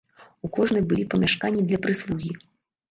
У кожнай былі памяшканні для прыслугі.